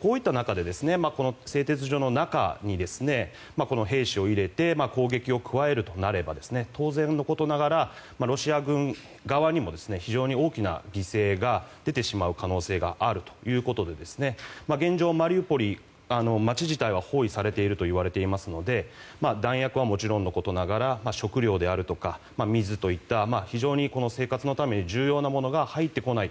こういった中で製鉄所の中に兵士を入れて攻撃を加えるとなれば当然のことながらロシア軍側にも非常に大きな犠牲が出てしまう可能性があるということで現状、マリウポリ街自体は包囲されているといわれていますので弾薬はもちろんのことながら食料であるとか水といった非常に生活のために重要なものが入ってこない。